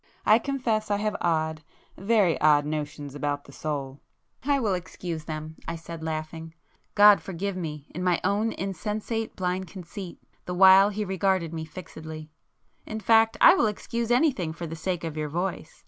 I confess I have odd, very odd notions about the soul." "I will excuse them—" I said, laughing—God forgive me, in my own insensate blind conceit,—the while he regarded me fixedly—"In fact I will excuse anything for the sake of your voice.